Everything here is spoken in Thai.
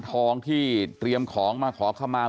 ทองที่เตรียมของมาขอคมาวิญญาณต่าง